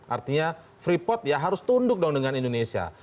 artinya freeport ya harus tunduk dong dengan indonesia